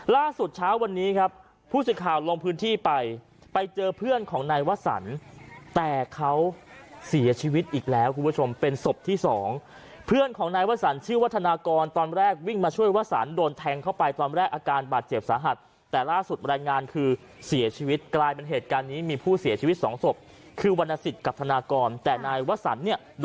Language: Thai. ล่าสุดเช้าวันนี้ครับผู้สื่อข่าวลงพื้นที่ไปไปเจอเพื่อนของนายวสันแต่เขาเสียชีวิตอีกแล้วคุณผู้ชมเป็นศพที่สองเพื่อนของนายวสันชื่อวัฒนากรตอนแรกวิ่งมาช่วยวสันโดนแทงเข้าไปตอนแรกอาการบาดเจ็บสาหัสแต่ล่าสุดรายงานคือเสียชีวิตกลายเป็นเหตุการณ์นี้มีผู้เสียชีวิตสองศพคือวรรณสิทธิ์กับธนากรแต่นายวสันเนี่ยด